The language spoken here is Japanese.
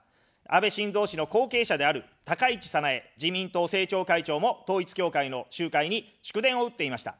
安倍晋三氏の後継者である高市早苗自民党政調会長も統一教会の集会に祝電を打っていました。